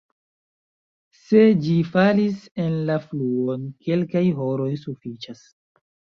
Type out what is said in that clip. Se ĝi falis en la fluon, kelkaj horoj sufiĉas.